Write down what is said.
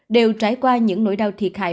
đều trải qua những nỗi đau thiệt hại